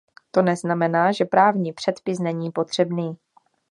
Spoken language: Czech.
To neznamená, že právní předpis není potřebný.